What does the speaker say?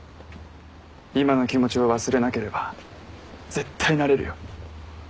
今の気持ちを忘れなければ絶対なれるよ。